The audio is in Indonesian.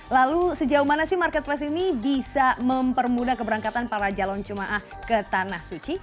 lalu sejauh mana marketplace ini bisa mempermudah keberangkatan para jalon cuma'ah ke tanah suci